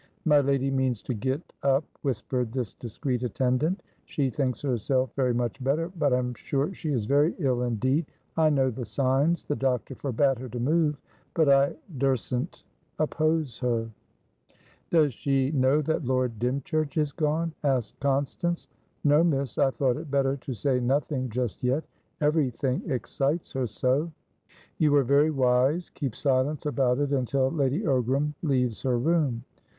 "My lady means to get up," whispered this discreet attendant. "She thinks herself very much better, but I am sure she is very ill indeed. I know the signs. The doctor forbade her to move, but I durstn't oppose her." "Does she know that Lord Dymchurch has gone?" asked Constance. "No, miss. I thought it better to say nothing just yet. Everything excites her so." "You were very wise. Keep silence about it until Lady Ogram leaves her room."